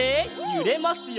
ゆれますよ。